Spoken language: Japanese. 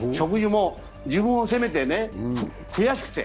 自分を責めて、悔しくて。